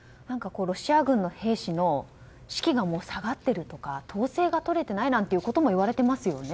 ロシア軍の兵士の士気が下がっているとか統制がとれてないということもいわれていますよね。